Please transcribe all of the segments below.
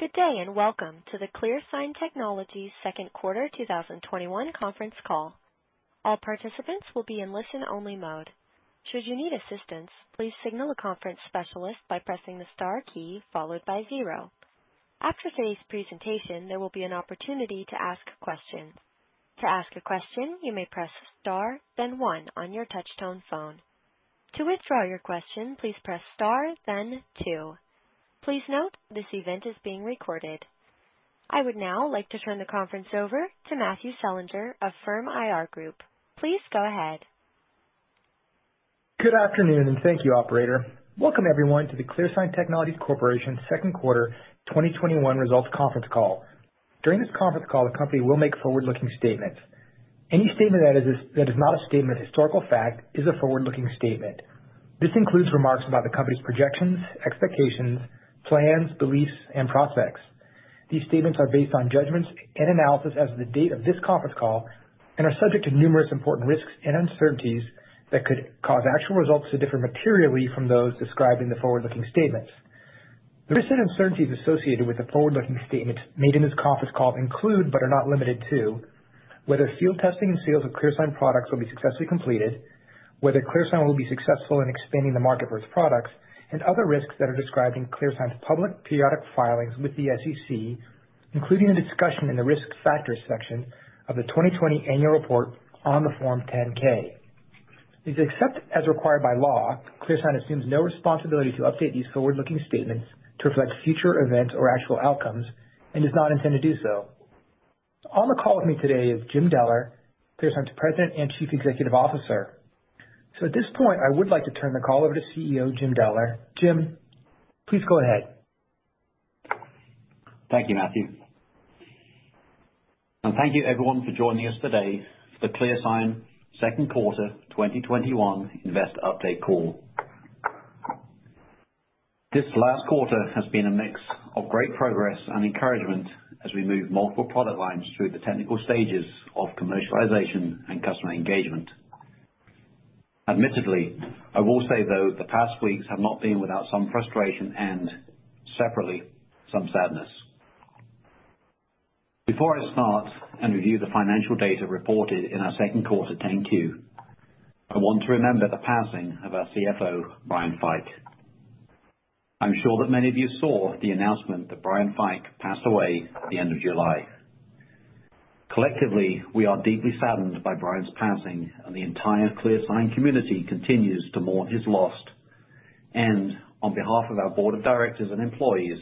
Good day, and welcome to the ClearSign Technologies Q2 2021 conference call. All participants will be in a listen-only mode. Should you need assistance signal the call specialist by pressing the star key followed by zero. After this presentation, there will be an opportunity question. To ask a question press star key then one on your telephone, to withdraw your question press star the two . Please be note that this event is being recrded. I would now like to turn the conference over to Matthew Selinger of Firm IR Group. Please go ahead. Good afternoon, and thank you, operator. Welcome everyone to the ClearSign Technologies Corporation second quarter 2021 results conference call. During this conference call, the company will make forward-looking statements. Any statement that is not a statement of historical fact is a forward-looking statement. This includes remarks about the company's projections, expectations, plans, beliefs, and prospects. These statements are based on judgments and analysis as of the date of this conference call and are subject to numerous important risks and uncertainties that could cause actual results to differ materially from those described in the forward-looking statements. The risks and uncertainties associated with the forward-looking statements made in this conference call include, but are not limited to, whether field testing and sales of ClearSign products will be successfully completed, whether ClearSign will be successful in expanding the market for its products, and other risks that are described in ClearSign's public periodic filings with the SEC, including a discussion in the risk factors section of the 2020 annual report on the Form 10-K. Except as required by law, ClearSign assumes no responsibility to update these forward-looking statements to reflect future events or actual outcomes and does not intend to do so. On the call with me today is Jim Deller, ClearSign's President and Chief Executive Officer. At this point, I would like to turn the call over to CEO Jim Deller. Jim, please go ahead. Thank you, Matthew. Thank you everyone for joining us today for the ClearSign second quarter 2021 investor update call. This last quarter has been a mix of great progress and encouragement as we move multiple product lines through the technical stages of commercialization and customer engagement. Admittedly, I will say, though, the past weeks have not been without some frustration and separately, some sadness. Before I start and review the financial data reported in our second quarter 10-Q, I want to remember the passing of our CFO, Brian Fike. I'm sure that many of you saw the announcement that Brian Fike passed away at the end of July. Collectively, we are deeply saddened by Brian's passing, and the entire ClearSign community continues to mourn his loss. On behalf of our board of directors and employees,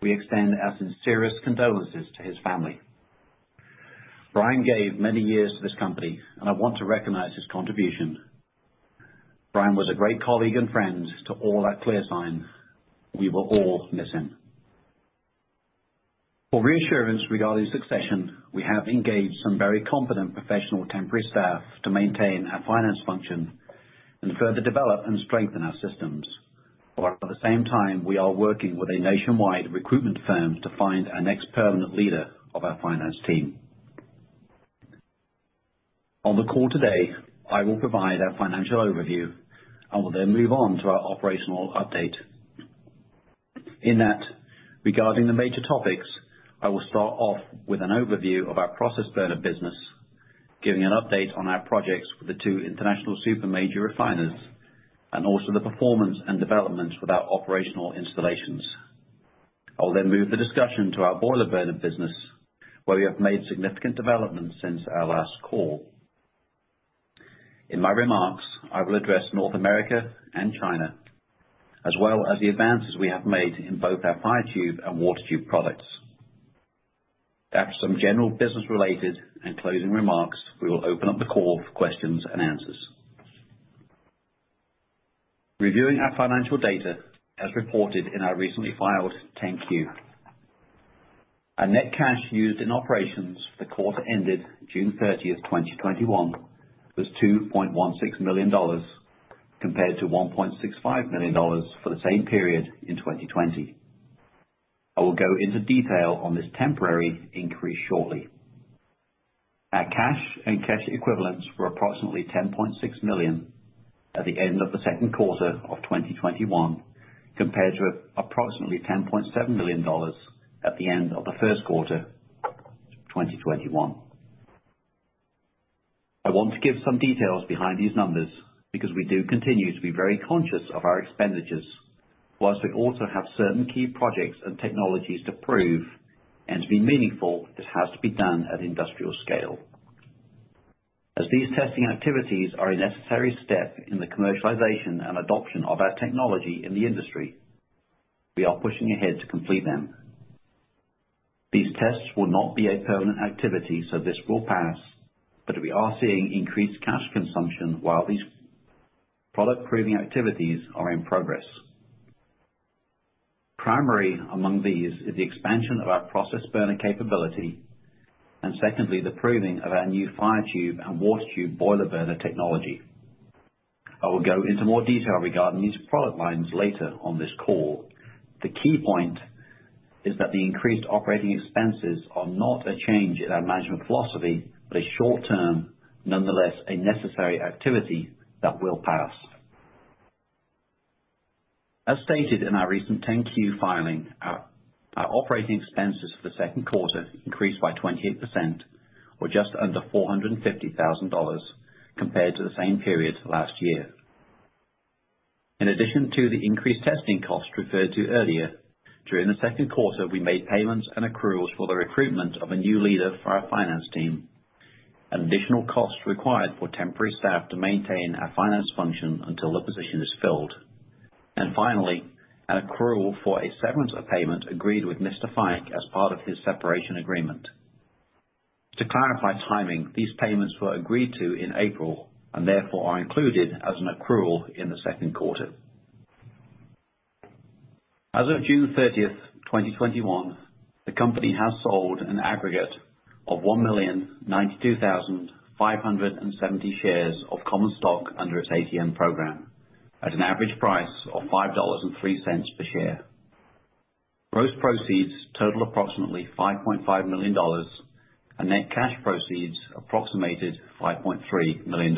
we extend our sincerest condolences to his family. Brian gave many years to this company, and I want to recognize his contribution. Brian was a great colleague and friend to all at ClearSign. We will all miss him. For reassurance regarding succession, we have engaged some very competent professional temporary staff to maintain our finance function and further develop and strengthen our systems. While at the same time, we are working with a nationwide recruitment firm to find our next permanent leader of our finance team. On the call today, I will provide our financial overview and will then move on to our operational update. In that, regarding the major topics, I will start off with an overview of our process burner business, giving an update on our projects with the two international super major refiners, and also the performance and developments with our operational installations. I will move the discussion to our boiler burner business, where we have made significant developments since our last call. In my remarks, I will address North America and China, as well as the advances we have made in both our fire tube and water tube products. After some general business-related and closing remarks, we will open up the call for questions and answers. Reviewing our financial data as reported in our recently filed 10-Q. Our net cash used in operations for the quarter ended June 30th, 2021, was $2.16 million, compared to $1.65 million for the same period in 2020. I will go into detail on this temporary increase shortly. Our cash and cash equivalents were approximately $10.6 million at the end of the second quarter of 2021, compared to approximately $10.7 million at the end of the first quarter 2021. I want to give some details behind these numbers because we do continue to be very conscious of our expenditures, while we also have certain key projects and technologies to prove, and to be meaningful, this has to be done at industrial scale. As these testing activities are a necessary step in the commercialization and adoption of our technology in the industry, we are pushing ahead to complete them. These tests will not be a permanent activity, so this will pass, but we are seeing increased cash consumption while these product proving activities are in progress. Primary among these is the expansion of our process burner capability, and secondly, the proving of our new fire tube and water tube boiler burner technology. I will go into more detail regarding these product lines later on this call. The key point is that the increased operating expenses are not a change in our management philosophy, but a short term, nonetheless, a necessary activity that will pass. As stated in our recent 10-Q filing, our operating expenses for the second quarter increased by 28%, or just under $450,000 compared to the same period last year. In addition to the increased testing cost referred to earlier, during the second quarter, we made payments and accruals for the recruitment of a new leader for our finance team, an additional cost required for temporary staff to maintain our finance function until the position is filled, and finally, an accrual for a severance payment agreed with Mr. Fike as part of his separation agreement. To clarify timing, these payments were agreed to in April and therefore are included as an accrual in the second quarter. As of June 30th, 2021, the company has sold an aggregate of 1,092,570 shares of common stock under its ATM program at an average price of $5.03 per share. Gross proceeds total approximately $5.5 million and net cash proceeds approximated $5.3 million.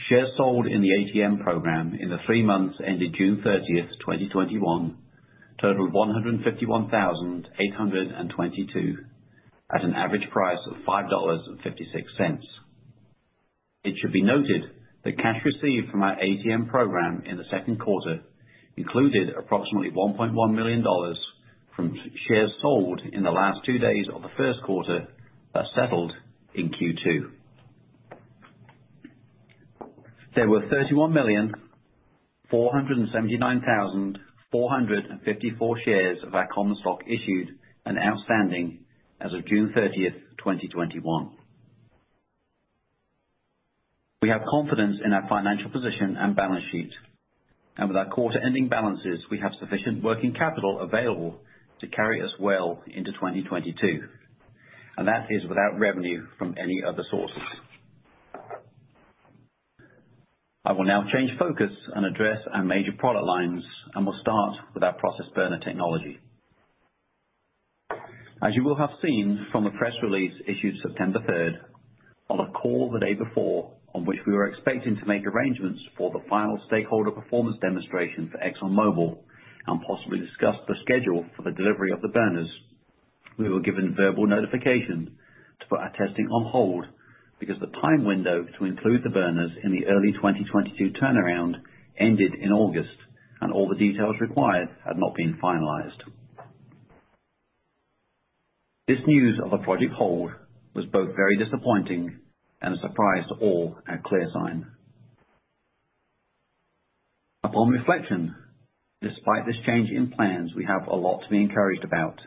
Shares sold in the ATM program in the 3 months ended June 30th, 2021 totaled 151,822 at an average price of $5.56. It should be noted that cash received from our ATM program in the second quarter included approximately $1.1 million from shares sold in the last 2 days of the first quarter that settled in Q2. There were 31,479,454 shares of our common stock issued and outstanding as of June 30th, 2021. We have confidence in our financial position and balance sheet. With our quarter ending balances, we have sufficient working capital available to carry us well into 2022, and that is without revenue from any other sources. I will now change focus and address our major product lines, and we'll start with our process burner technology. As you will have seen from the press release issued September 3rd, on a call the day before, on which we were expecting to make arrangements for the final stakeholder performance demonstration for ExxonMobil and possibly discuss the schedule for the delivery of the burners. We were given verbal notification to put our testing on hold because the time window to include the burners in the early 2022 turnaround ended in August, and all the details required had not been finalized. This news of the project hold was both very disappointing and a surprise to all at ClearSign. Upon reflection, despite this change in plans, we have a lot to be encouraged about.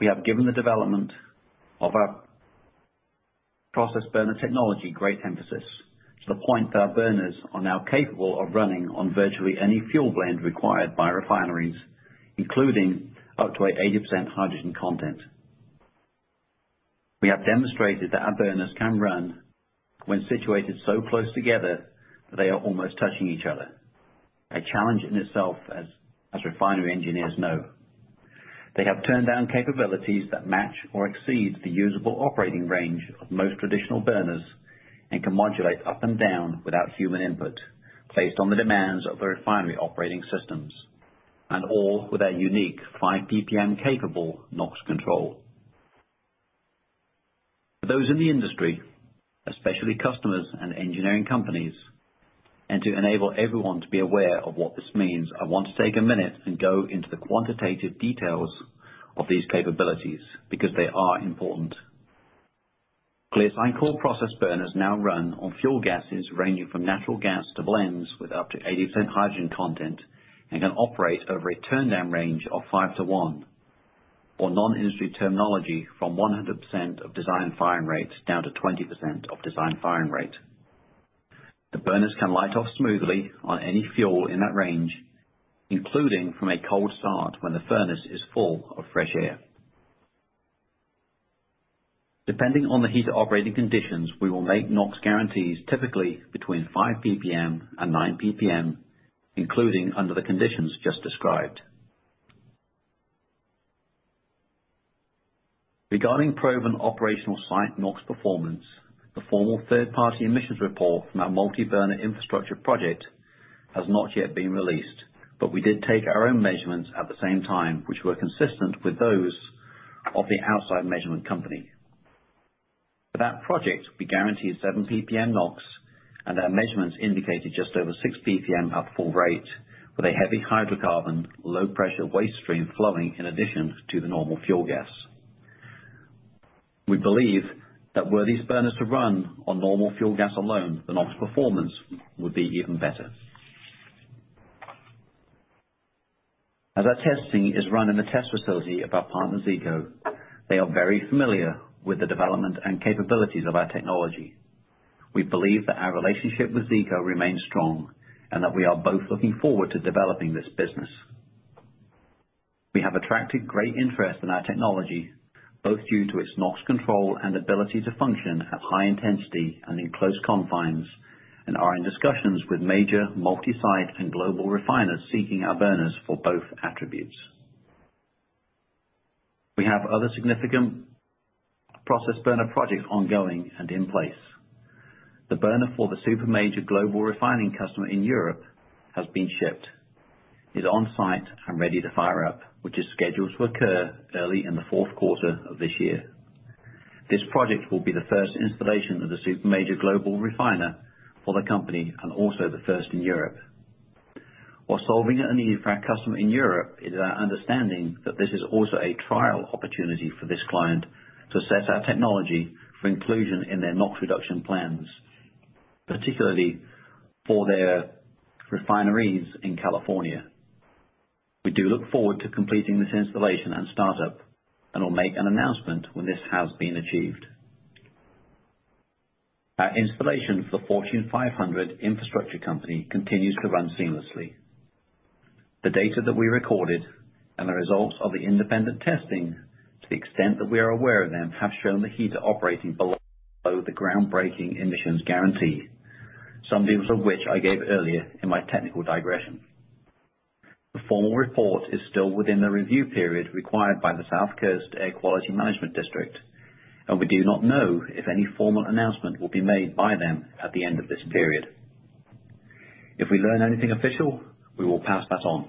We have given the development of our process burner technology great emphasis, to the point that our burners are now capable of running on virtually any fuel blend required by refineries, including up to a 80% hydrogen content. We have demonstrated that our burners can run when situated so close together that they are almost touching each other. A challenge in itself, as refinery engineers know. They have turndown capabilities that match or exceed the usable operating range of most traditional burners and can modulate up and down without human input, based on the demands of the refinery operating systems, and all with our unique 5 PPM capable NOx control. For those in the industry, especially customers and engineering companies, and to enable everyone to be aware of what this means, I want to take a minute and go into the quantitative details of these capabilities because they are important. ClearSign Core process burners now run on fuel gases ranging from natural gas to blends with up to 80% hydrogen content and can operate over a turndown range of 5-1, non-industry terminology, from 100% of design firing rates down to 20% of design firing rate. The burners can light off smoothly on any fuel in that range, including from a cold start when the furnace is full of fresh air. Depending on the heater operating conditions, we will make NOx guarantees typically between 5 PPM-9 PPM, including under the conditions just described. Regarding proven operational site NOx performance, the formal third-party emissions report from our multi-burner infrastructure project has not yet been released, but we did take our own measurements at the same time, which were consistent with those of the outside measurement company. For that project, we guaranteed 7 PPM NOx, and our measurements indicated just over 6 PPM at full rate with a heavy hydrocarbon, low pressure waste stream flowing in addition to the normal fuel gas. We believe that were these burners to run on normal fuel gas alone, the NOx performance would be even better. As our testing is run in the test facility of our partner, Zeeco, they are very familiar with the development and capabilities of our technology. We believe that our relationship with Zeeco remains strong and that we are both looking forward to developing this business. We have attracted great interest in our technology, both due to its NOx control and ability to function at high intensity and in close confines, and are in discussions with major multi-site and global refiners seeking our burners for both attributes. We have other significant process burner projects ongoing and in place. The burner for the super major global refining customer in Europe has been shipped, is on-site, and ready to fire up, which is scheduled to occur early in the fourth quarter of this year. This project will be the first installation of the super major global refiner for the company and also the first in Europe. While solving a need for our customer in Europe, it is our understanding that this is also a trial opportunity for this client to assess our technology for inclusion in their NOx reduction plans, particularly for their refineries in California. We do look forward to completing this installation and startup, and will make an announcement when this has been achieved. Our installation for the Fortune 500 infrastructure company continues to run seamlessly. The data that we recorded and the results of the independent testing, to the extent that we are aware of them, have shown the heater operating below the groundbreaking emissions guarantee, some details of which I gave earlier in my technical digression. The formal report is still within the review period required by the South Coast Air Quality Management District, and we do not know if any formal announcement will be made by them at the end of this period. If we learn anything official, we will pass that on.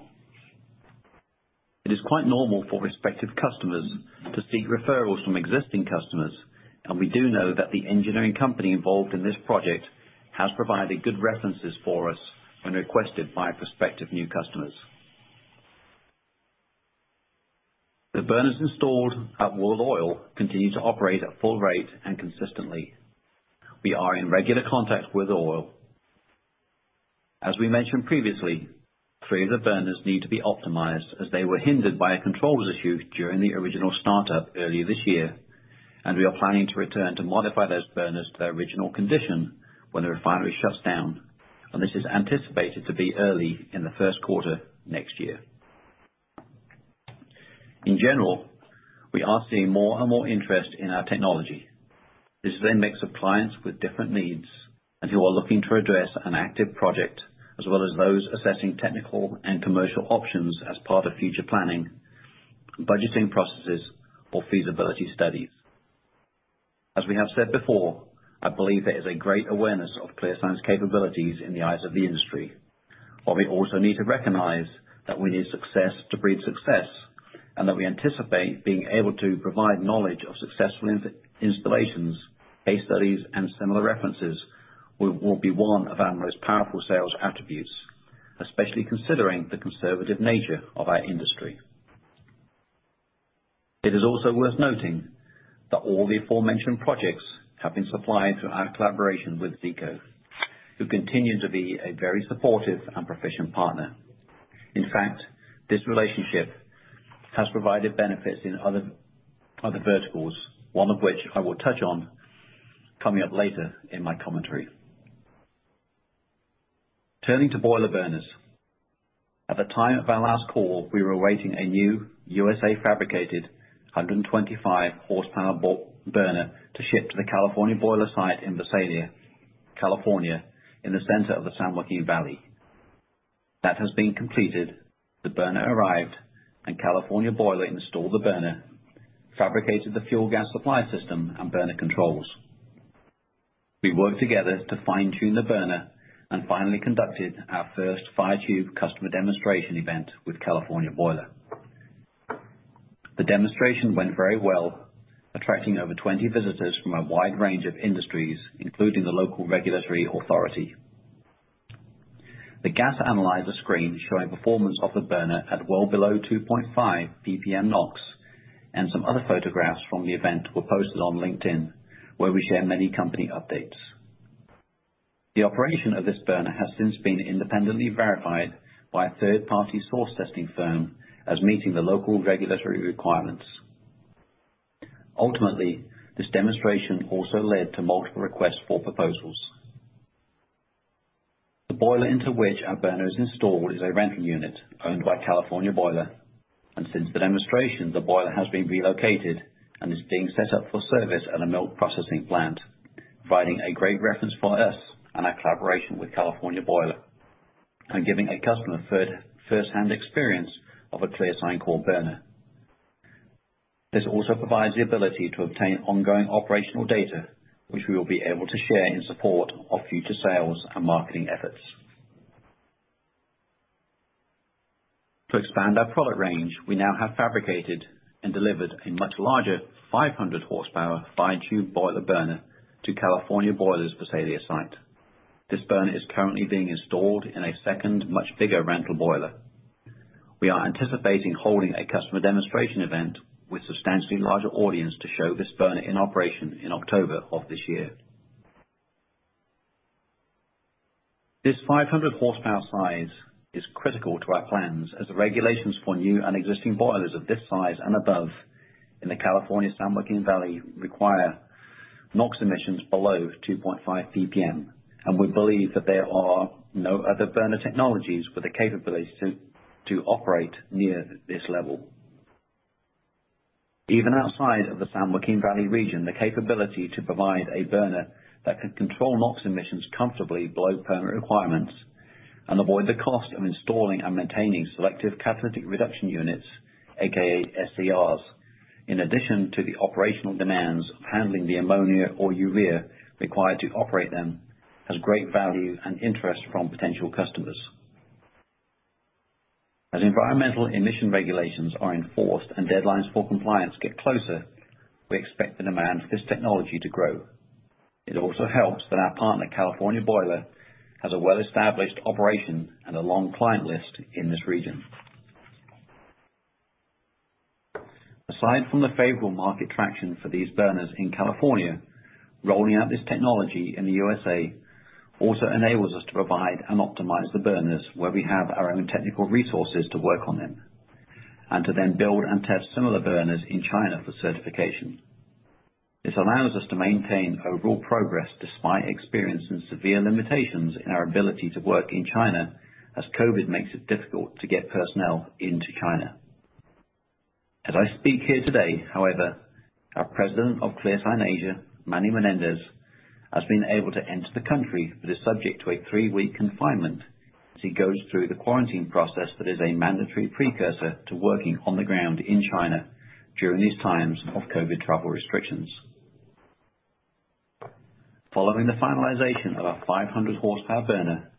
It is quite normal for prospective customers to seek referrals from existing customers, and we do know that the engineering company involved in this project has provided good references for us when requested by prospective new customers. The burners installed at World Oil continue to operate at full rate and consistently. We are in regular contact with World Oil. As we mentioned previously, three of the burners need to be optimized as they were hindered by a controls issue during the original startup earlier this year, and we are planning to return to modify those burners to their original condition when the refinery shuts down, and this is anticipated to be early in the first quarter next year. In general, we are seeing more and more interest in our technology. This is a mix of clients with different needs and who are looking to address an active project, as well as those assessing technical and commercial options as part of future planning, budgeting processes, or feasibility studies. As we have said before, I believe there is a great awareness of ClearSign's capabilities in the eyes of the industry. While we also need to recognize that we need success to breed success, and that we anticipate being able to provide knowledge of successful installations, case studies, and similar references will be one of our most powerful sales attributes, especially considering the conservative nature of our industry. It is also worth noting that all the aforementioned projects have been supplied through our collaboration with Zeeco, who continue to be a very supportive and proficient partner. In fact, this relationship has provided benefits in other verticals, one of which I will touch on coming up later in my commentary. Turning to boiler burners. At the time of our last call, we were awaiting a new U.S.-fabricated 125 horsepower burner to ship to the California Boiler site in Visalia, California, in the center of the San Joaquin Valley. That has been completed. The burner arrived and California Boiler installed the burner, fabricated the fuel gas supply system, and burner controls. We worked together to fine-tune the burner and finally conducted our first Firetube customer demonstration event with California Boiler. The demonstration went very well, attracting over 20 visitors from a wide range of industries, including the local regulatory authority. The gas analyzer screen showing performance of the burner at well below 2.5 PPM NOx and some other photographs from the event were posted on LinkedIn, where we share many company updates. The operation of this burner has since been independently verified by a third-party source testing firm as meeting the local regulatory requirements. Ultimately, this demonstration also led to multiple requests for proposals. The boiler into which our burner is installed is a rental unit owned by California Boiler, and since the demonstration, the boiler has been relocated and is being set up for service at a milk processing plant, providing a great reference for us and our collaboration with California Boiler and giving a customer firsthand experience of a ClearSign Core burner. This also provides the ability to obtain ongoing operational data, which we will be able to share in support of future sales and marketing efforts. To expand our product range, we now have fabricated and delivered a much larger 500 horsepower FireTube boiler burner to California Boiler's Visalia site. This burner is currently being installed in a second, much bigger rental boiler. We are anticipating holding a customer demonstration event with a substantially larger audience to show this burner in operation in October of this year. This 500 horsepower size is critical to our plans as the regulations for new and existing boilers of this size and above in the California San Joaquin Valley require NOx emissions below 2.5 PPM, and we believe that there are no other burner technologies with the capability to operate near this level. Even outside of the San Joaquin Valley region, the capability to provide a burner that can control NOx emissions comfortably below permit requirements and avoid the cost of installing and maintaining selective catalytic reduction units, AKA SCRs. In addition to the operational demands of handling the ammonia or urea required to operate them, has great value and interest from potential customers. Environmental emission regulations are enforced and deadlines for compliance get closer, we expect the demand for this technology to grow. It also helps that our partner, California Boiler, has a well-established operation and a long client list in this region. Aside from the favorable market traction for these burners in California, rolling out this technology in the USA also enables us to provide and optimize the burners where we have our own technical resources to work on them, and to then build and test similar burners in China for certification. This allows us to maintain overall progress despite experiencing severe limitations in our ability to work in China, as COVID makes it difficult to get personnel into China. As I speak here today, however, our president of ClearSign Asia, Manny Menendez, has been able to enter the country but is subject to a 3-week confinement as he goes through the quarantine process that is a mandatory precursor to working on the ground in China during these times of COVID travel restrictions. Following the finalization of our 500 horsepower burner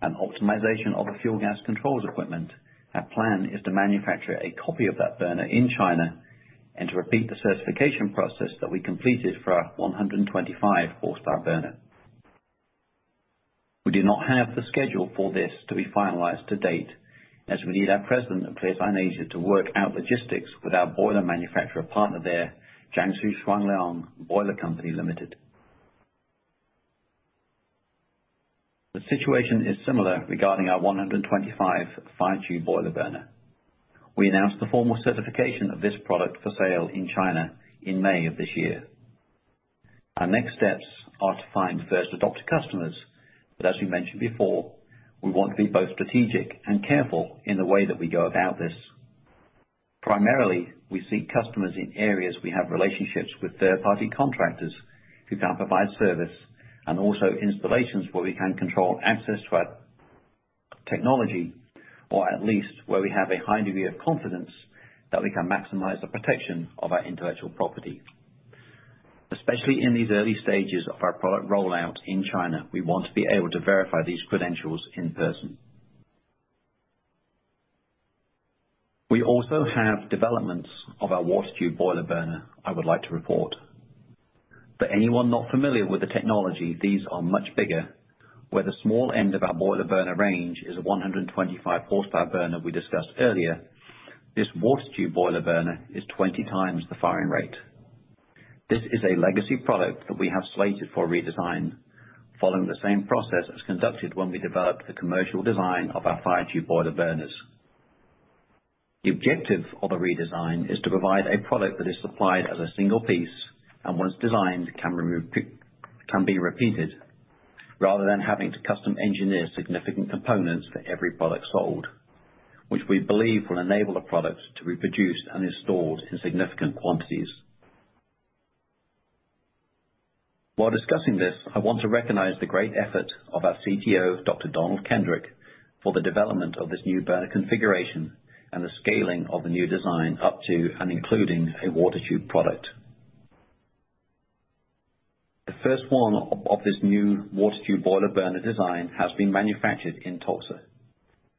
and optimization of the fuel gas controls equipment, our plan is to manufacture a copy of that burner in China and to repeat the certification process that we completed for our 125 horsepower burner. We do not have the schedule for this to be finalized to date, as we need our president of ClearSign Asia to work out logistics with our boiler manufacturer partner there, Jiangsu Shuangliang Boiler Company Limited. The situation is similar regarding our 125 fire tube boiler burner. We announced the formal certification of this product for sale in China in May of this year. Our next steps are to find first adopter customers, but as we mentioned before, we want to be both strategic and careful in the way that we go about this. Primarily, we see customers in areas we have relationships with third-party contractors who can provide service, and also installations where we can control access to our technology, or at least where we have a high degree of confidence that we can maximize the protection of our intellectual property. Especially in these early stages of our product rollout in China, we want to be able to verify these credentials in person. We also have developments of our water tube boiler burner I would like to report. For anyone not familiar with the technology, these are much bigger. Where the small end of our boiler burner range is 125 horsepower burner we discussed earlier, this water tube boiler burner is 20 times the firing rate. This is a legacy product that we have slated for redesign following the same process as conducted when we developed the commercial design of our fire tube boiler burners. The objective of the redesign is to provide a product that is supplied as a single piece and once designed, can be repeated rather than having to custom engineer significant components for every product sold, which we believe will enable the product to be produced and installed in significant quantities. While discussing this, I want to recognize the great effort of our CTO, Dr. Donald Kendrick, for the development of this new burner configuration and the scaling of the new design up to and including a water tube product. The first one of this new water tube boiler burner design has been manufactured in Tulsa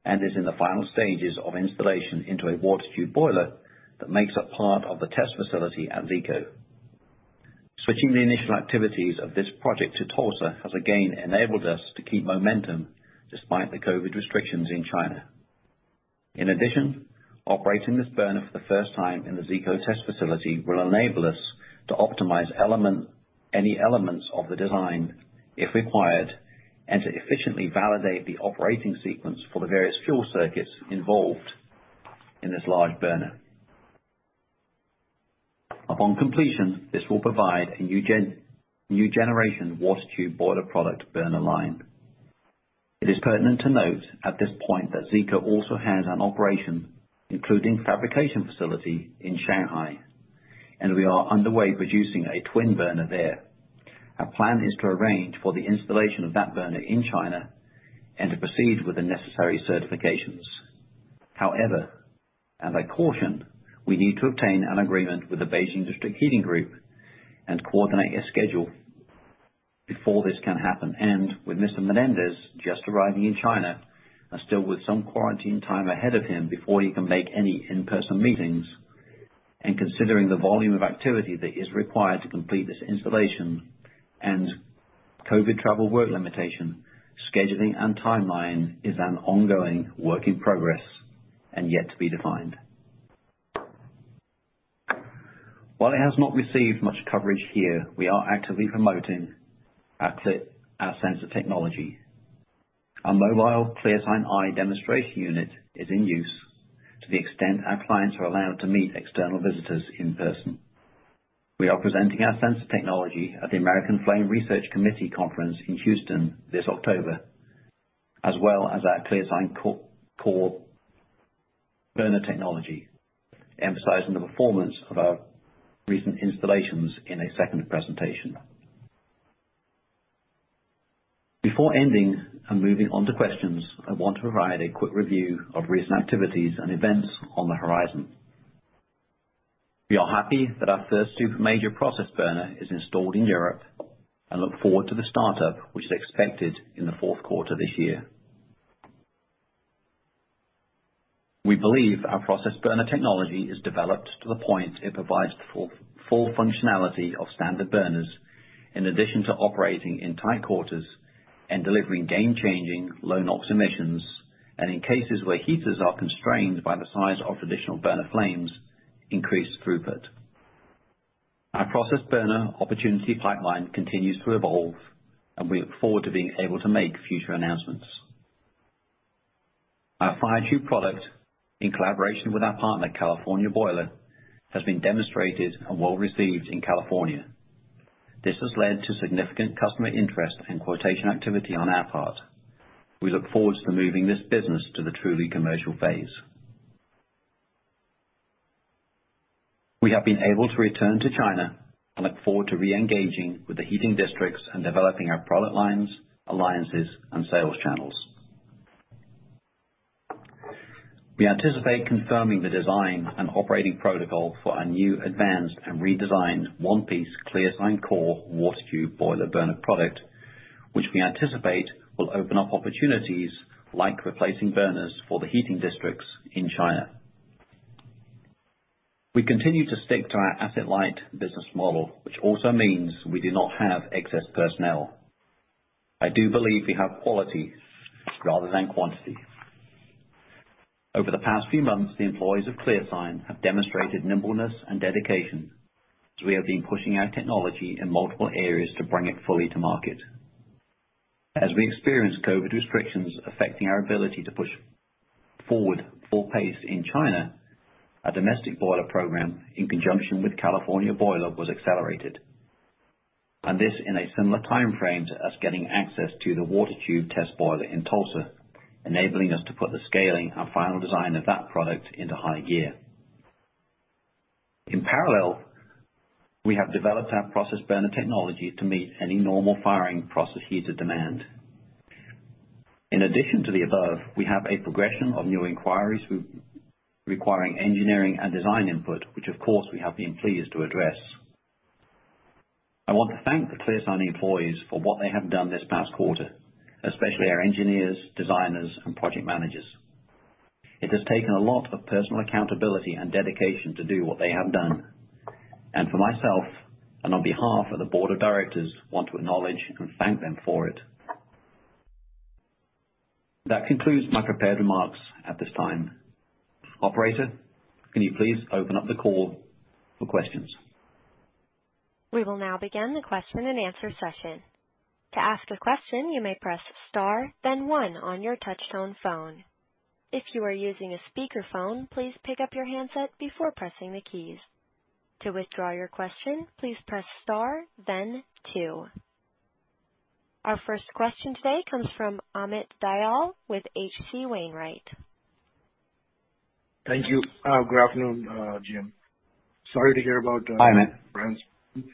and is in the final stages of installation into a water tube boiler that makes up part of the test facility at Zeeco. Switching the initial activities of this project to Tulsa has again enabled us to keep momentum despite the COVID restrictions in China. In addition, operating this burner for the first time in the Zeeco test facility will enable us to optimize any elements of the design if required, and to efficiently validate the operating sequence for the various fuel circuits involved in this large burner. Upon completion, this will provide a new generation water tube boiler product burner line. It is pertinent to note at this point that Zeeco also has an operation, including fabrication facility in Shanghai, and we are underway producing a twin burner there. Our plan is to arrange for the installation of that burner in China and to proceed with the necessary certifications. However, as I caution, we need to obtain an agreement with the Beijing District Heating Group and coordinate a schedule before this can happen. With Mr. Menendez just arriving in China and still with some quarantine time ahead of him before he can make any in-person meetings, and considering the volume of activity that is required to complete this installation and COVID travel work limitation, scheduling and timeline is an ongoing work in progress and yet to be defined. While it has not received much coverage here, we are actively promoting our sensor technology. Our mobile ClearSign Eye demonstration unit is in use to the extent our clients are allowed to meet external visitors in person. We are presenting our sensor technology at the American Flame Research Committee conference in Houston this October, as well as our ClearSign Core burner technology, emphasizing the performance of our recent installations in a second presentation. Before ending and moving on to questions, I want to provide a quick review of recent activities and events on the horizon. We are happy that our first super major process burner is installed in Europe, and look forward to the startup, which is expected in the fourth quarter this year. We believe our process burner technology is developed to the point it provides full functionality of standard burners, in addition to operating in tight quarters and delivering game-changing low NOx emissions, and in cases where heaters are constrained by the size of traditional burner flames, increased throughput. Our process burner opportunity pipeline continues to evolve, and we look forward to being able to make future announcements. Our FireTube product, in collaboration with our partner, California Boiler, has been demonstrated and well-received in California. This has led to significant customer interest and quotation activity on our part. We look forward to moving this business to the truly commercial phase. We have been able to return to China and look forward to re-engaging with the heating districts and developing our product lines, alliances, and sales channels. We anticipate confirming the design and operating protocol for our new advanced and redesigned one-piece ClearSign Core water tube boiler burner product, which we anticipate will open up opportunities like replacing burners for the heating districts in China. We continue to stick to our asset-light business model, which also means we do not have excess personnel. I do believe we have quality rather than quantity. Over the past few months, the employees of ClearSign have demonstrated nimbleness and dedication as we have been pushing our technology in multiple areas to bring it fully to market. As we experience COVID restrictions affecting our ability to push forward full pace in China, our domestic boiler program, in conjunction with California Boiler, was accelerated. This in a similar timeframe to us getting access to the water tube test boiler in Tulsa, enabling us to put the scaling and final design of that product into high gear. In parallel, we have developed our process burner technology to meet any normal firing process heater demand. In addition to the above, we have a progression of new inquiries requiring engineering and design input, which of course, we have been pleased to address. I want to thank the ClearSign employees for what they have done this past quarter, especially our engineers, designers, and project managers. It has taken a lot of personal accountability and dedication to do what they have done. I, for myself, and on behalf of the board of directors, want to acknowledge and thank them for it. That concludes my prepared remarks at this time. Operator, can you please open up the call for questions? We will now begin the question-and-answer session. To ask a question, you may press star then one on your touch-tone phone. If you are using a speakerphone, please pick up your handset before pressing the keys. To withdraw your question, please press star then two. Our first question today comes from Amit Dayal with H.C. Wainwright. Thank you. Good afternoon, Jim. Hi, Amit.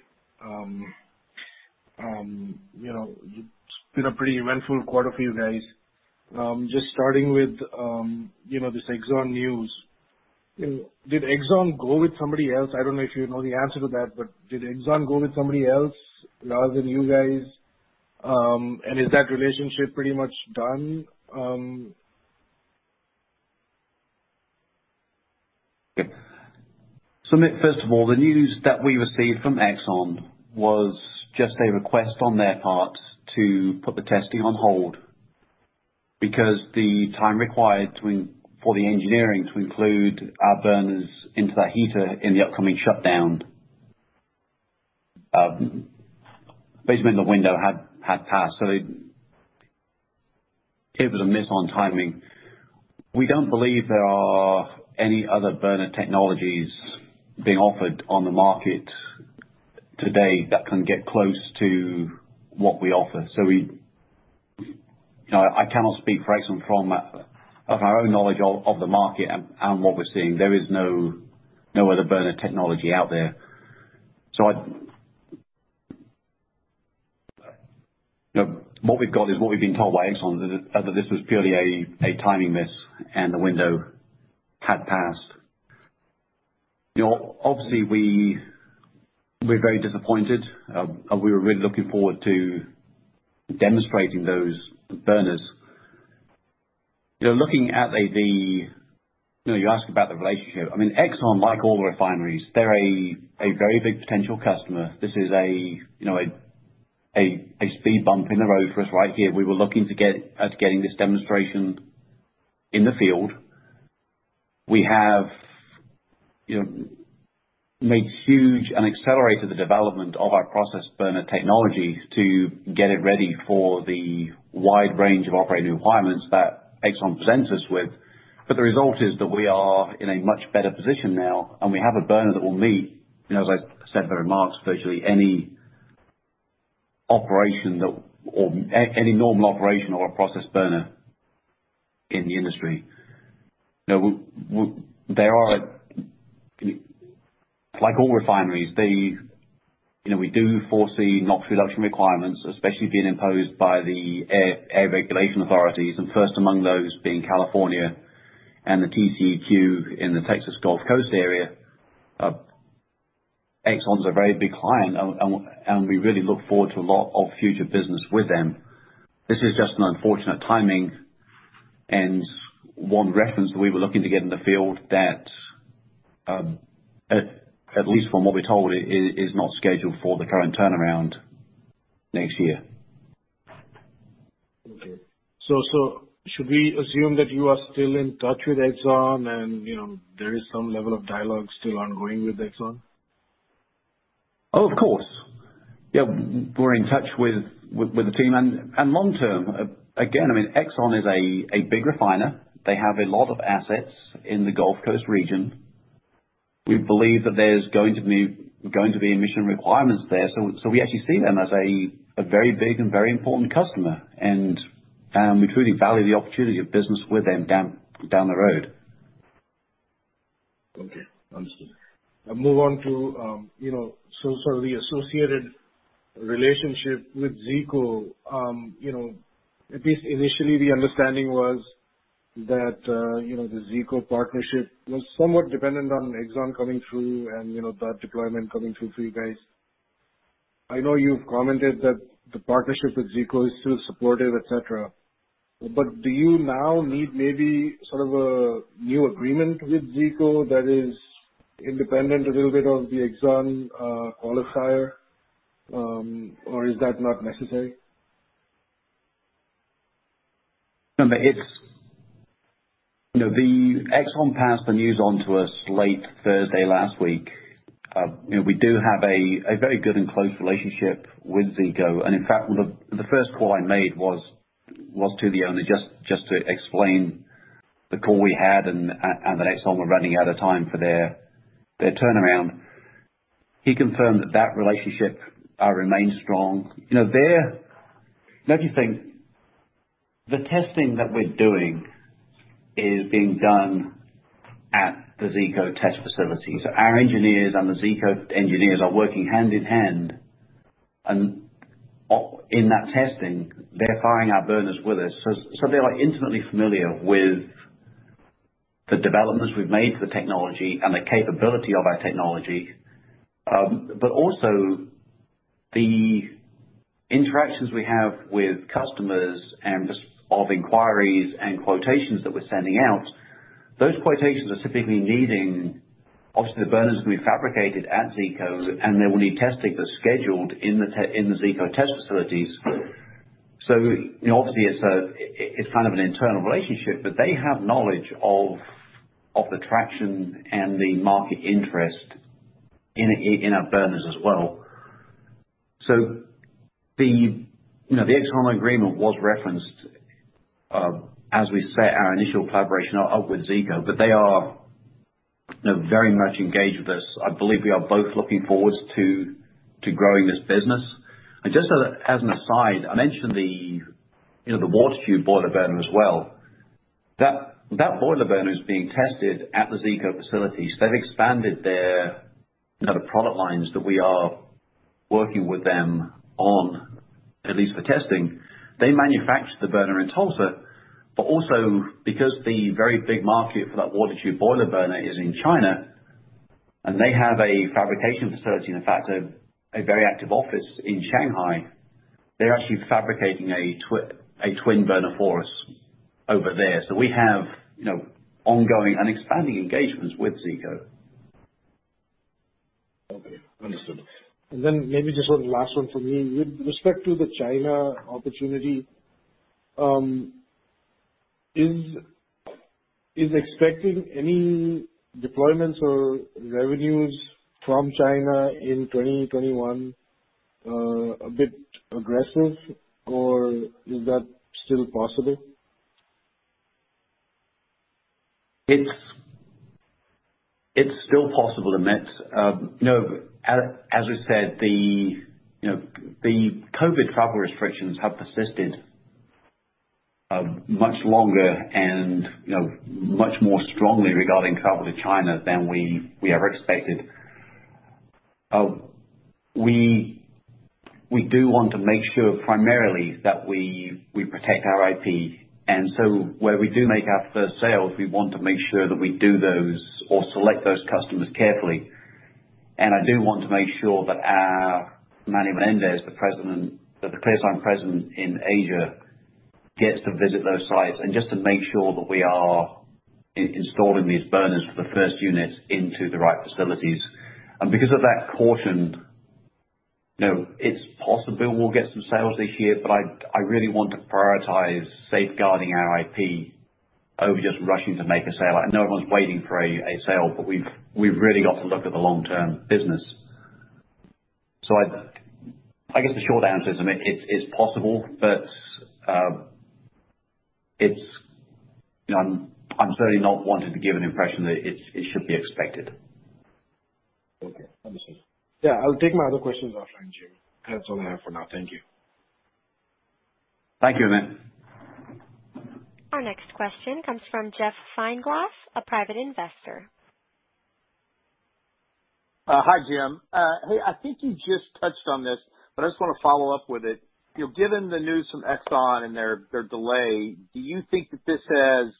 Friends. It's been a pretty eventful quarter for you guys. Just starting with this Exxon news. Did Exxon go with somebody else? I don't know if you know the answer to that, but did Exxon go with somebody else rather than you guys? Is that relationship pretty much done? Amit, first of all, the news that we received from was just a request on their part to put the testing on hold because the time required for the engineering to include our burners into that heater in the upcoming shutdown, basically the window had passed. It was a miss on timing. We don't believe there are any other burner technologies being offered on the market today that can get close to what we offer. I cannot speak for Exxon from of our own knowledge of the market and what we're seeing. There is no other burner technology out there. What we've got is what we've been told by Exxon, that this was purely a timing miss, and the window had passed. Obviously, we're very disappointed. We were really looking forward to demonstrating those burners. You asked about the relationship. Exxon, like all refineries, they're a very big potential customer. This is a speed bump in the road for us right here. We were looking at getting this demonstration in the field. We have made huge and accelerated the development of our process burner technology to get it ready for the wide range of operating requirements that Exxon presents us with. The result is that we are in a much better position now, and we have a burner that will meet, as I said in the remarks, virtually any normal operation or a process burner in the industry. There are, like all refineries, we do foresee NOx reduction requirements, especially being imposed by the air regulation authorities, and first among those being California and the TCEQ in the Texas Gulf Coast area. Exxon's a very big client, and we really look forward to a lot of future business with them. This is just an unfortunate timing and one reference that we were looking to get in the field that, at least from what we're told, is not scheduled for the current turnaround next year. Okay. Should we assume that you are still in touch with Exxon and there is some level of dialogue still ongoing with Exxon? Oh, of course. Yeah. We're in touch with the team, long-term, again, Exxon is a big refiner. They have a lot of assets in the Gulf Coast region. We believe that there's going to be emission requirements there. We actually see them as a very big and very important customer. We truly value the opportunity of business with them down the road. Okay. Understood. I'll move on to the associated relationship with Zeeco. At least initially, the understanding was that the Zeeco partnership was somewhat dependent on Exxon coming through and that deployment coming through for you guys. I know you've commented that the partnership with Zeeco is still supportive, et cetera. Do you now need maybe sort of a new agreement with Zeeco that is independent a little bit of the Exxon qualifier, or is that not necessary? No. Exxon passed the news onto us late Thursday last week. We do have a very good and close relationship with Zeeco. In fact, the first call I made was to the owner, just to explain the call we had and that Exxon were running out of time for their turnaround. He confirmed that that relationship remains strong. Let me think. The testing that we're doing is being done at the Zeeco test facility. Our engineers and the Zeeco engineers are working hand in hand. In that testing, they're firing our burners with us. They are intimately familiar with the developments we've made to the technology and the capability of our technology. Also, the interactions we have with customers and just of inquiries and quotations that we're sending out, those quotations are typically needing, obviously, the burners we've fabricated at Zeeco, and there will need testing that's scheduled in the Zeeco test facilities. Obviously, it's kind of an internal relationship, but they have knowledge of the traction and the market interest in our burners as well. The Exxon agreement was referenced as we set our initial collaboration up with Zeeco, they are very much engaged with us. I believe we are both looking forwards to growing this business. Just as an aside, I mentioned the water tube boiler burner as well. That boiler burner is being tested at the Zeeco facilities. They've expanded their product lines that we are working with them on, at least for testing. They manufacture the burner in Tulsa. Also, because the very big market for that water tube boiler burner is in China, and they have a fabrication facility, in fact, a very active office in Shanghai, they're actually fabricating a twin burner for us over there. We have ongoing and expanding engagements with Zeeco. Okay. Understood. Maybe just one last one from me. With respect to the China opportunity, is expecting any deployments or revenues from China in 2021 a bit aggressive, or is that still possible? It's still possible, Amit. As we said, the COVID travel restrictions have persisted much longer and much more strongly regarding travel to China than we ever expected. We do want to make sure primarily that we protect our IP. Where we do make our first sales, we want to make sure that we do those or select those customers carefully. I do want to make sure that Manny Menendez, the president, the ClearSign president in Asia, gets to visit those sites and just to make sure that we are installing these burners for the first units into the right facilities. Because of that caution, it's possible we'll get some sales this year, I really want to prioritize safeguarding our IP over just rushing to make a sale. Everyone's waiting for a sale, we've really got to look at the long-term business. I guess the short answer is, Amit, it's possible, but I'm certainly not wanting to give an impression that it should be expected. Okay. Understood. Yeah. I'll take my other questions offline, Jim. That's all I have for now. Thank you. Thank you, Amit. Our next question comes from Jeff Feinglos, a private investor. Hi, Jim. Hey, I think you just touched on this, but I just want to follow up with it. Given the news from Exxon and their delay, do you think that this has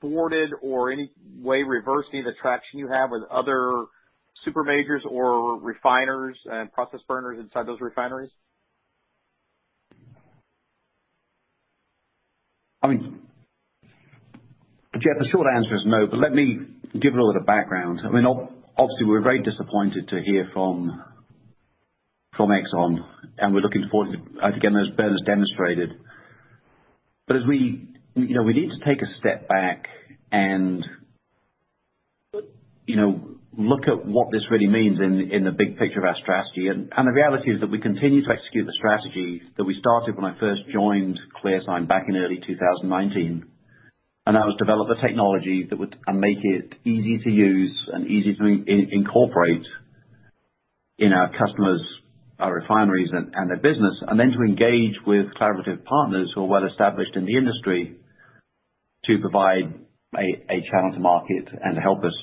thwarted or any way reversed either traction you have with other super majors or refiners and process burners inside those refineries? Jeff, the short answer is no, but let me give it a little bit of background. Obviously, we're very disappointed to hear from Exxon, and we're looking forward to, I think, getting those burners demonstrated. We need to take a step back and look at what this really means in the big picture of our strategy. The reality is that we continue to execute the strategy that we started when I first joined ClearSign back in early 2019, and that was develop a technology and make it easy to use and easy to incorporate in our customers, our refineries, and their business. To engage with collaborative partners who are well established in the industry to provide a channel to market and help us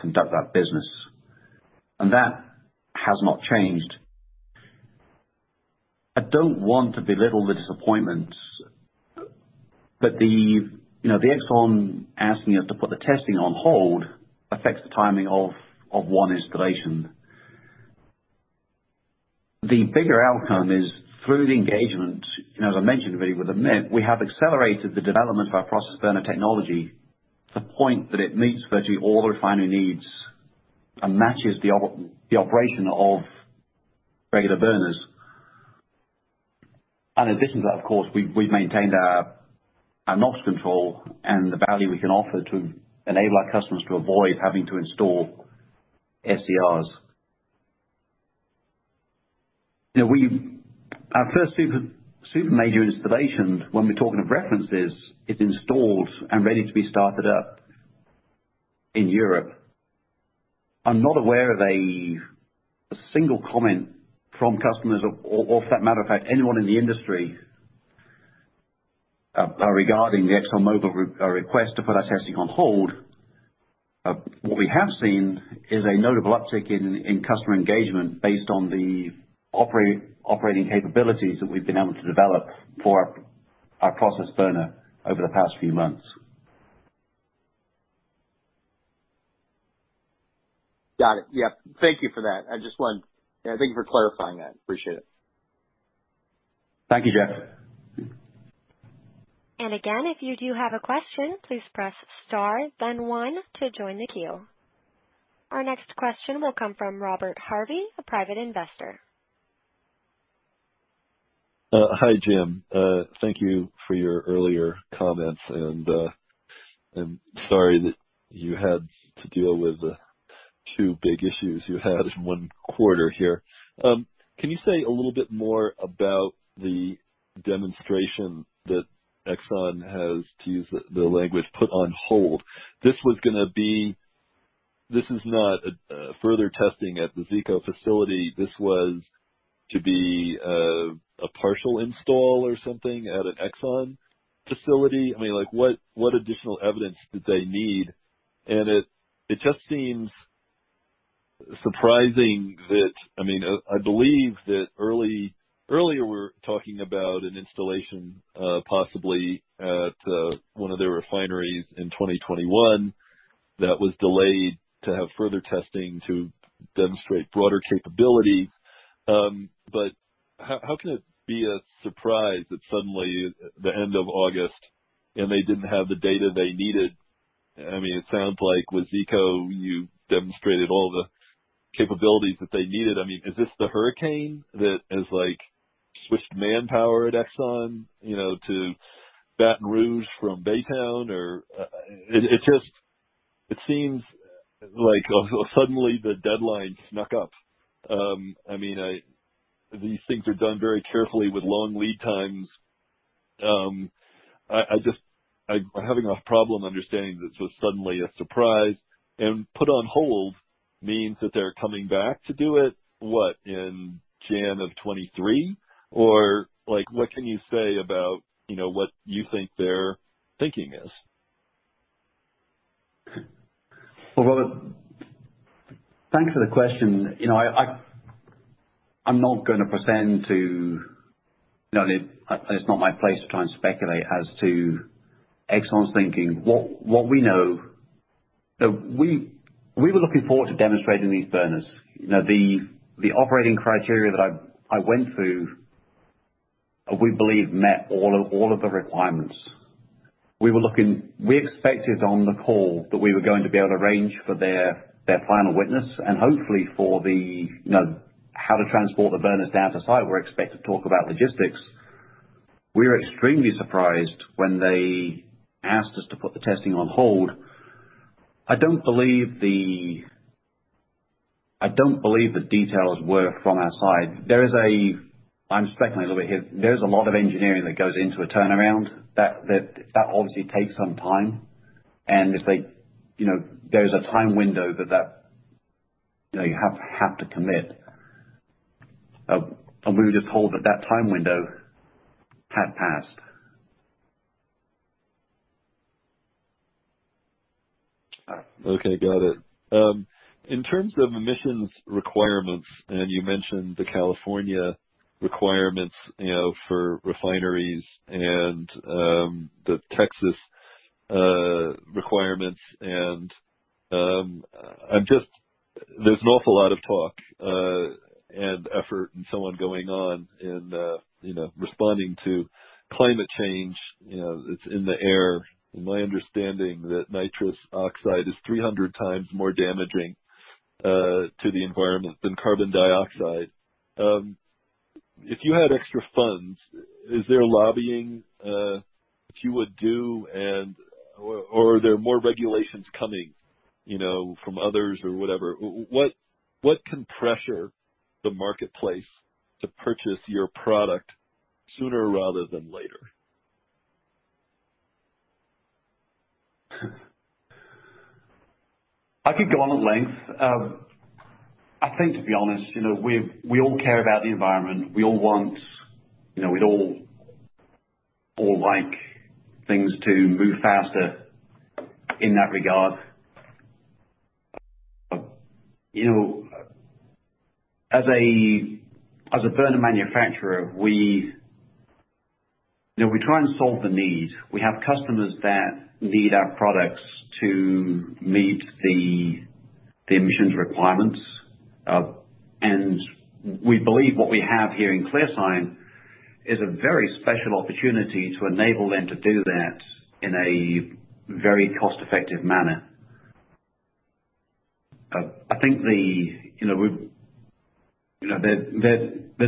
conduct that business. That has not changed. I don't want to belittle the disappointment, but the ExxonMobil asking us to put the testing on hold affects the timing of one installation. The bigger outcome is through the engagement, as I mentioned really with Amit, we have accelerated the development of our process burner technology to the point that it meets virtually all the refinery needs and matches the operation of regular burners. In addition to that, of course, we've maintained our NOx control and the value we can offer to enable our customers to avoid having to install SCRs. Our first super major installation, when we're talking of references, is installed and ready to be started up in Europe. I'm not aware of a single comment from customers or for that matter of fact, anyone in the industry, regarding the ExxonMobil request to put our testing on hold. What we have seen is a notable uptick in customer engagement based on the operating capabilities that we've been able to develop for our process burner over the past few months. Got it. Thank you for that. Thank you for clarifying that. Appreciate it. Thank you, Jeff. Again, if you do have a question, please press star then one to join the queue. Our next question will come from Robert Harvey, a private investor. Hi, Jim. Thank you for your earlier comments, and sorry that you had to deal with the two big issues you had in one quarter here. Can you say a little bit more about the demonstration that Exxon has, to use the language, put on hold? This is not a further testing at the Zeeco facility. This was to be a partial install or something at an Exxon facility? What additional evidence did they need? It just seems surprising that I believe that earlier we were talking about an installation, possibly at one of their refineries in 2021 that was delayed to have further testing to demonstrate broader capabilities. How can it be a surprise that suddenly the end of August and they didn't have the data they needed? It sounds like with Zeeco, you demonstrated all the capabilities that they needed. Is this the hurricane that has switched manpower at Exxon to Baton Rouge from Baytown? It seems like suddenly the deadline snuck up. These things are done very carefully with long lead times. I'm having a problem understanding this was suddenly a surprise, and put on hold means that they're coming back to do it, what, in January of 2023? What can you say about what you think their thinking is? Well, Robert, thanks for the question. It's not my place to try and speculate as to Exxon's thinking. What we know, we were looking forward to demonstrating these burners. The operating criteria that I went through, we believe met all of the requirements. We expected on the call that we were going to be able to arrange for their final witness and hopefully for the how to transport the burners down to site. We were expected to talk about logistics. We were extremely surprised when they asked us to put the testing on hold. I don't believe the details were from our side. I'm speculating a little bit here. There's a lot of engineering that goes into a turnaround. That obviously takes some time, and there's a time window that you have to commit. We were just told that that time window had passed. Okay, got it. In terms of emissions requirements, you mentioned the California requirements for refineries and the Texas requirements, there's an awful lot of talk and effort and so on going on in responding to climate change. It's in the air, my understanding that nitrous oxide is 300 times more damaging to the environment than carbon dioxide. If you had extra funds, is there lobbying that you would do? Are there more regulations coming from others or whatever? What can pressure the marketplace to purchase your product sooner rather than later? I could go on at length. I think, to be honest, we all care about the environment. We'd all like things to move faster in that regard. As a burner manufacturer, we try and solve the need. We have customers that need our products to meet the emissions requirements. We believe what we have here in ClearSign is a very special opportunity to enable them to do that in a very cost-effective manner. There's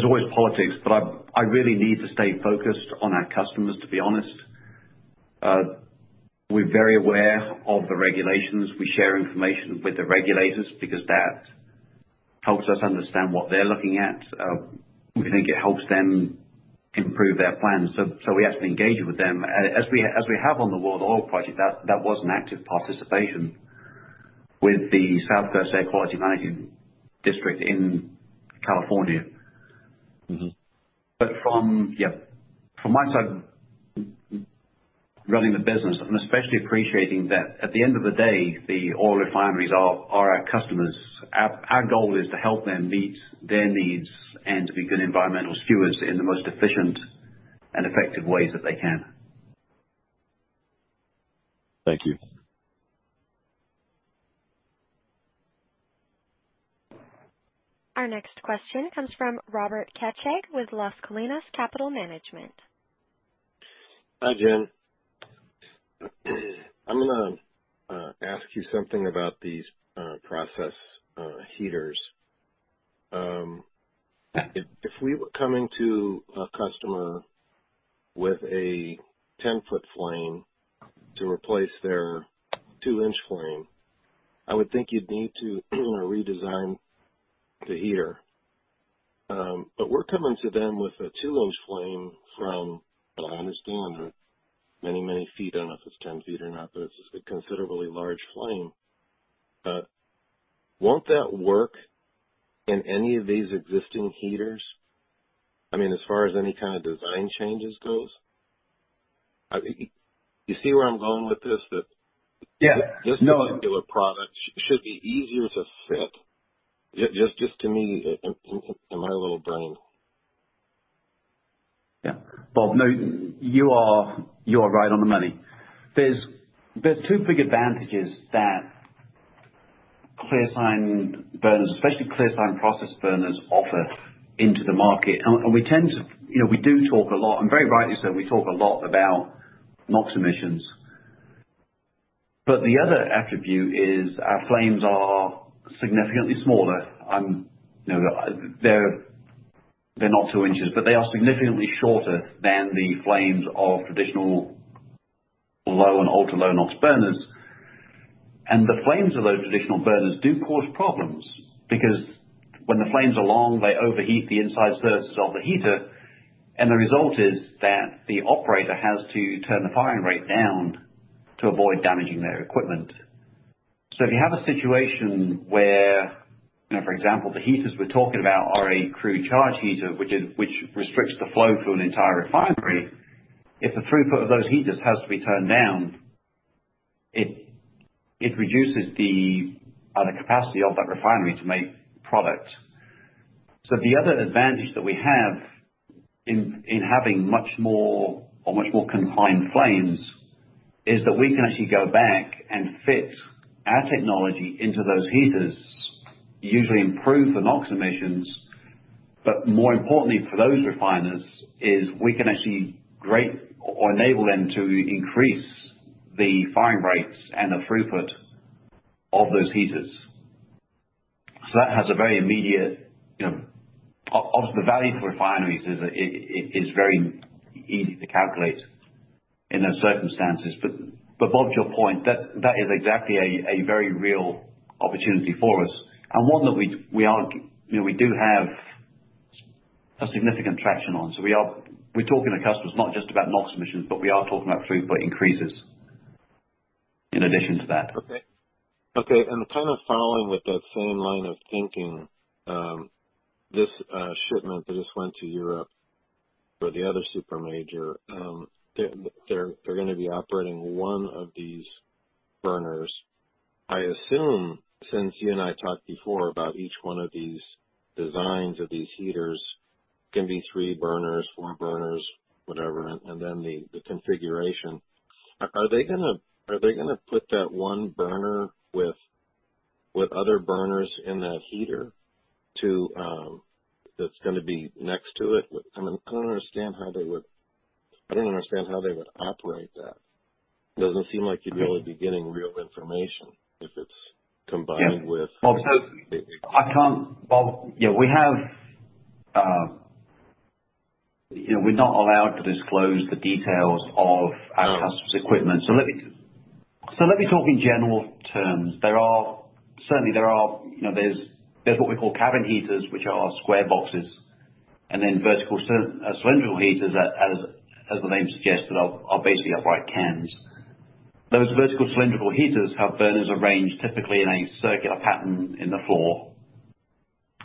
always politics, but I really need to stay focused on our customers, to be honest. We're very aware of the regulations. We share information with the regulators because that helps us understand what they're looking at. We think it helps them improve their plans. We actually engage with them, as we have on the World Oil project. That was an active participation with the South Coast Air Quality Management District in California. From my side, running the business, I'm especially appreciating that at the end of the day, the oil refineries are our customers. Our goal is to help them meet their needs and to be good environmental stewards in the most efficient and effective ways that they can. Thank you. Our next question comes from Robert Kacheg with Las Colinas Capital Management. Hi, Jim. I'm going to ask you something about these process heaters. If we were coming to a customer with a 10-foot flame to replace their 2-inch flame, I would think you'd need to redesign the heater. We're coming to them with a 2-inch flame from, I understand, many feet. I don't know if it's 10 feet or not, but it's a considerably large flame. Won't that work in any of these existing heaters? As far as any kind of design changes goes? You see where I'm going with this? This particular product should be easier to fit. Just to me, in my little brain. Yeah. Bob, no, you are right on the money. There's two big advantages that ClearSign burners, especially ClearSign process burners, offer into the market. We do talk a lot, and very rightly so, we talk a lot about NOx emissions. The other attribute is our flames are significantly smaller. They're not two inches, but they are significantly shorter than the flames of traditional low and ultra-low NOx burners. The flames of those traditional burners do cause problems, because when the flames are long, they overheat the inside surfaces of the heater, and the result is that the operator has to turn the firing rate down to avoid damaging their equipment. If you have a situation where, for example, the heaters we're talking about are a crude charge heater, which restricts the flow through an entire refinery, if the throughput of those heaters has to be turned down, it reduces the capacity of that refinery to make product. The other advantage that we have in having much more confined flames is that we can actually go back and fit our technology into those heaters, usually improve the NOx emissions, but more importantly for those refiners is we can actually enable them to increase the firing rates and the throughput of those heaters. Obviously, the value for refineries is very easy to calculate. In those circumstances. Bob, to your point, that is exactly a very real opportunity for us and one that we do have a significant traction on. We're talking to customers not just about NOx emissions, but we are talking about throughput increases in addition to that. Okay. Kind of following with that same line of thinking, this shipment that just went to Europe for the other super major, they're going to be operating 1 of these burners. I assume, since you and I talked before about each one of these designs of these heaters can be three burners, four burners, whatever, and then the configuration. Are they going to put that one burner with other burners in that heater that's going to be next to it? I don't understand how they would operate that. Bob, we're not allowed to disclose the details of our. Sure customer's equipment. Let me talk in general terms. Certainly, there's what we call cabin heaters, which are square boxes, and then vertical cylindrical heaters, as the name suggests, are basically upright cans. Those vertical cylindrical heaters have burners arranged typically in a circular pattern in the floor,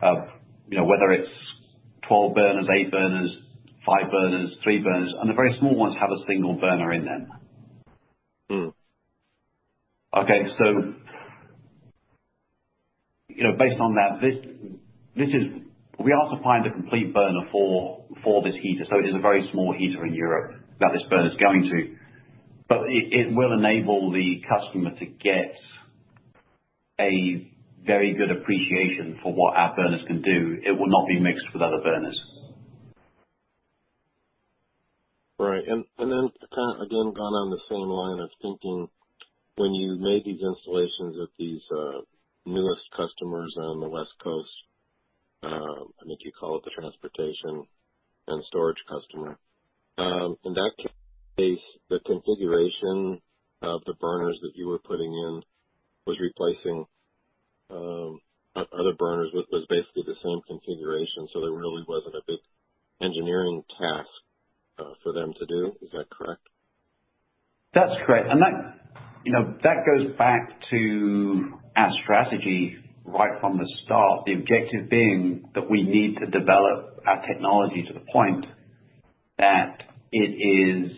whether it's 12 burners, 8 burners, 5 burners, 3 burners, and the very small ones have a 1 burner in them. Based on that, we also find a complete burner for this heater. It is a very small heater in Europe that this burner's going to. It will enable the customer to get a very good appreciation for what our burners can do. It will not be mixed with other burners. Right. Then, again, going on the same line of thinking, when you made these installations at these newest customers on the West Coast, I think you call it the transportation and storage customer. In that case, the configuration of the burners that you were putting in was replacing other burners, was basically the same configuration, so there really wasn't a big engineering task for them to do. Is that correct? That's correct. That goes back to our strategy right from the start, the objective being that we need to develop our technology to the point that it is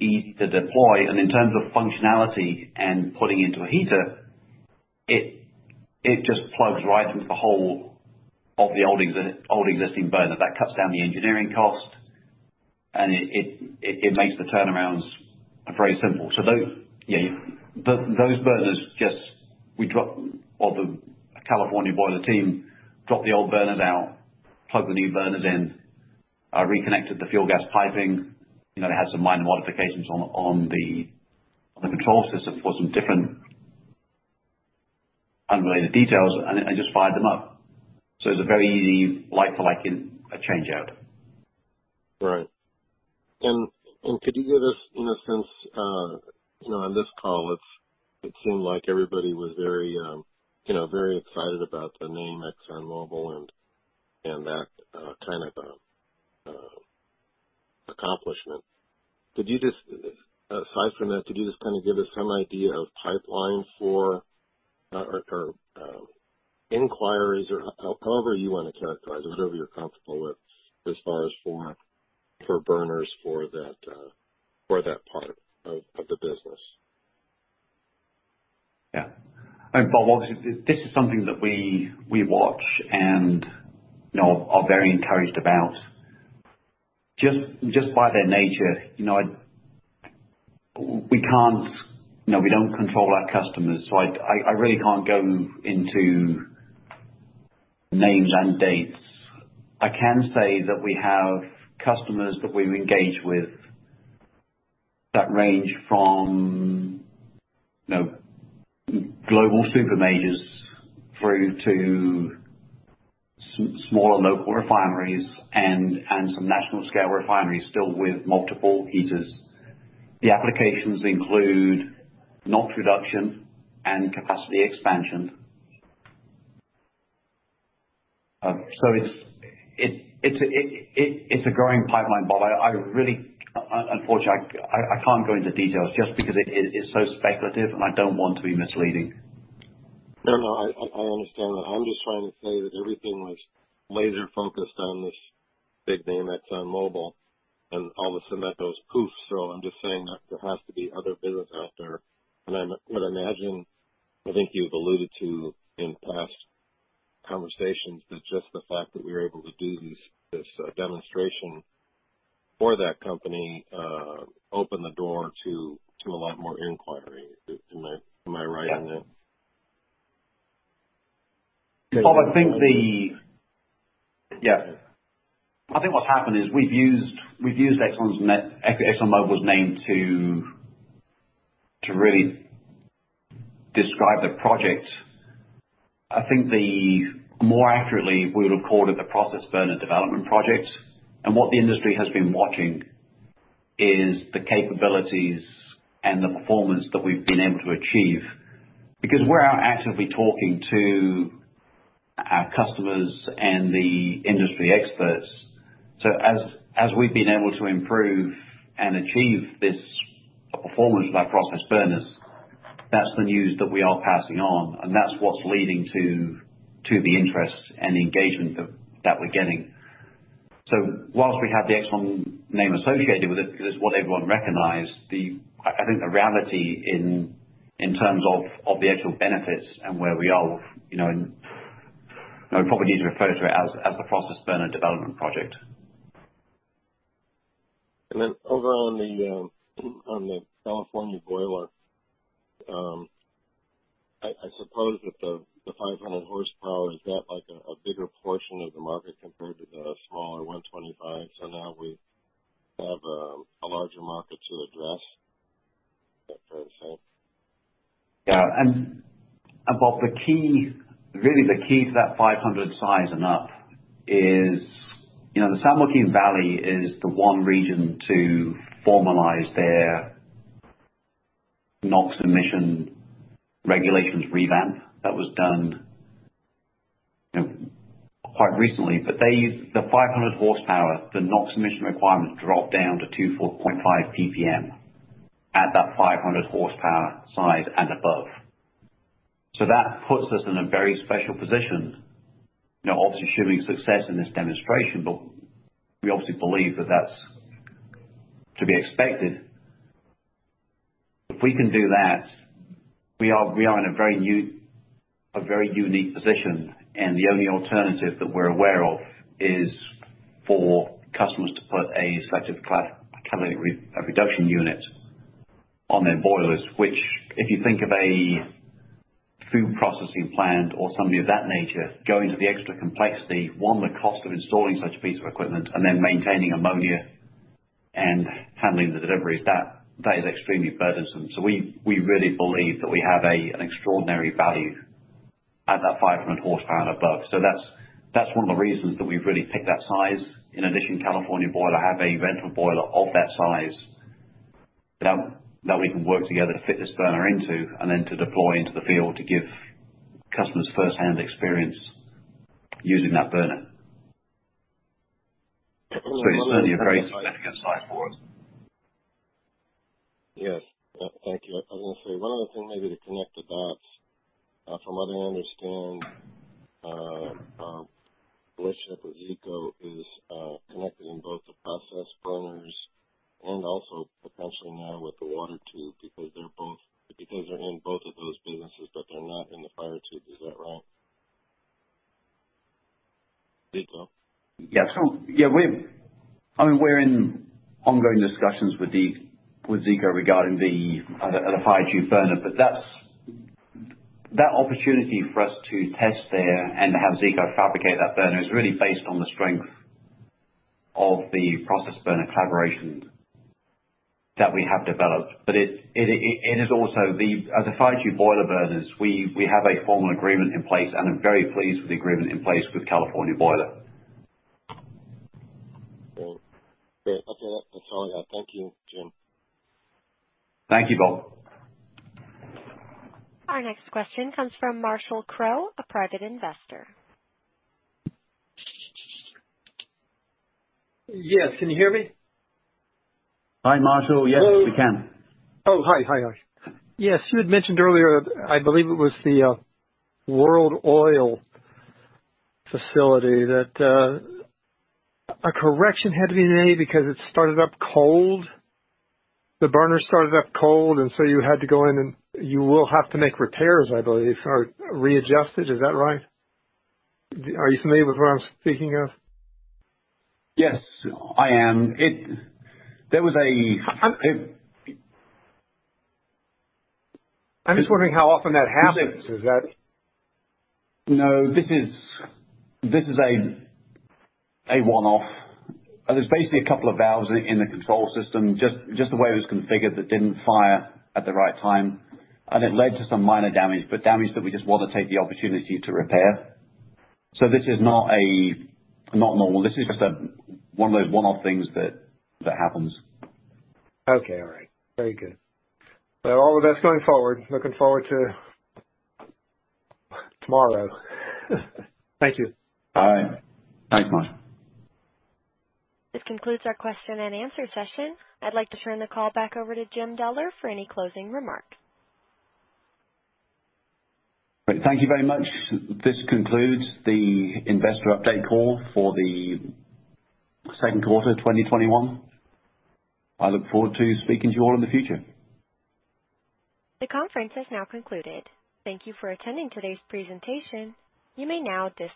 easy to deploy. In terms of functionality and putting into a heater, it just plugs right into the hole of the old existing burner. That cuts down the engineering cost, and it makes the turnarounds very simple. Those burners, the California Boiler team dropped the old burners out, plugged the new burners in, reconnected the fuel gas piping. They had some minor modifications on the control system for some different unrelated details, and they just fired them up. It's a very easy like-for-like change-out. Right. Could you give us a sense, on this call, it seemed like everybody was very excited about the name ExxonMobil and that kind of accomplishment. Aside from that, could you just give us some idea of pipeline for inquiries or however you want to characterize it, whatever you're comfortable with, as far as for burners for that part of the business? Yeah. Bob, obviously, this is something that we watch and are very encouraged about. Just by their nature, we don't control our customers, so I really can't go into names and dates. I can say that we have customers that we've engaged with that range from global super majors through to smaller local refineries and some national-scale refineries still with multiple heaters. The applications include NOx reduction and capacity expansion. It's a growing pipeline, Bob. Unfortunately, I can't go into details just because it is so speculative, and I don't want to be misleading. No, I understand that. I'm just trying to say that everything was laser-focused on this big name, ExxonMobil, and all of a sudden that goes poof. I'm just saying that there has to be other business out there. I would imagine, I think you've alluded to in past conversations, that just the fact that we were able to do this demonstration for that company opened the door to a lot more inquiry. Am I right in that? Yeah. Bob, I think what's happened is we've used ExxonMobil's name to really describe the project, I think more accurately, we would have called it the process burner development project. What the industry has been watching is the capabilities and the performance that we've been able to achieve. Because we're out actively talking to our customers and the industry experts. As we've been able to improve and achieve this performance by process burners, that's the news that we are passing on, and that's what's leading to the interest and engagement that we're getting. Whilst we have the Exxon name associated with it, because it's what everyone recognized, I think the reality in terms of the actual benefits and where we are, we probably need to refer to it as the process burner development project. Over on the California Boiler, I suppose with the 500 horsepower, is that a bigger portion of the market compared to the smaller 125? Now we have a larger market to address. Is that fair to say? Yeah. Bob, really the key to that 500 size and up is, the San Joaquin Valley is the one region to formalize their NOx emission regulations revamp that was done quite recently. The 500 horsepower, the NOx emission requirements drop down to 4.5 PPM at that 500 horsepower size and above. That puts us in a very special position. Obviously assuming success in this demonstration, but we obviously believe that that's to be expected. If we can do that, we are in a very unique position, and the only alternative that we're aware of is for customers to put a selective catalytic reduction unit on their boilers. Which, if you think of a food processing plant or something of that nature, going to the extra complexity, one, the cost of installing such a piece of equipment, and then maintaining ammonia and handling the deliveries, that is extremely burdensome. We really believe that we have an extraordinary value at that 500 horsepower and above. That's one of the reasons that we've really picked that size. In addition, California Boiler have a rental boiler of that size that we can work together to fit this burner into and then to deploy into the field to give customers firsthand experience using that burner. It's certainly a very significant site for us. Yes. Thank you. I was going to say, one other thing maybe to connect the dots, from what I understand, our relationship with Zeeco is connected in both the process burners and also potentially now with the fire tube, because they're in both of those businesses, but they're not in the fire tube. Is that right? Zeeco? Yeah. We're in ongoing discussions with Zeeco regarding the fire tube burner. That opportunity for us to test there and to have Zeeco fabricate that burner is really based on the strength of the process burner collaboration that we have developed. It is also, the fire tube boiler burners, we have a formal agreement in place, and are very pleased with the agreement in place with California Boiler. Okay. That's all I got. Thank you, Jim. Thank you, Bob. Our next question comes from Marshall Crowe, a private investor. Yes. Can you hear me? Hi, Marshall. Yes, we can. Oh, hi. Yes, you had mentioned earlier, I believe it was the World Oil facility, that a correction had to be made because it started up cold. The burner started up cold, and so you had to go in, and you will have to make repairs, I believe, or readjust it. Is that right? Are you familiar with what I'm speaking of? Yes, I am. There was. I'm just wondering how often that happens. No, this is a one-off. There's basically a couple of valves in the control system, just the way it was configured, that didn't fire at the right time. It led to some minor damage, but damage that we just wanted to take the opportunity to repair. This is not normal. This is just one of those one-off things that happens. Okay. All right. Very good. All the best going forward. Looking forward to tomorrow. Thank you. Bye. Thanks, Marshall. This concludes our question and answer session. I'd like to turn the call back over to Jim Deller for any closing remarks. Great. Thank you very much. This concludes the investor update call for the second quarter of 2021. I look forward to speaking to you all in the future. The conference has now concluded. Thank you for attending today's presentation. You may now disconnect.